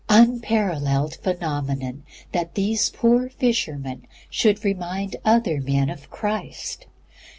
Unparalleled phenomenon, that these poor fishermen should remind other men of Christ!